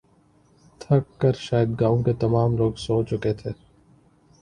تھک کر شاید گاؤں کے تمام لوگ سو چکے تھے